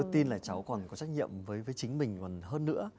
tôi tin là cháu còn có trách nhiệm với chính mình còn hơn nữa